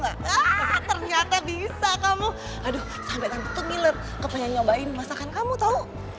ah ternyata bisa kamu aduh sampai ngetik milet kepenyang nyobain masakan kamu tahu